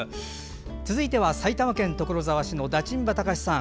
続いては埼玉県所沢市の駄賃場和さん。